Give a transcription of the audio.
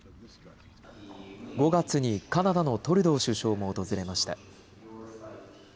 ５月にカナダのトルドー首相も訪れました。